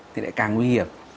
thì lại càng nguy hiểm